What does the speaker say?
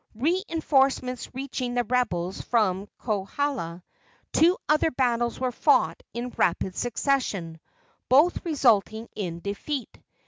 Reinforcements reaching the rebels from Kohala, two other battles were fought in rapid succession, both resulting in their defeat.